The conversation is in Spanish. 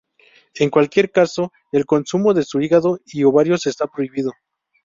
En cualquier caso, el consumo de su hígado y ovarios está prohibido.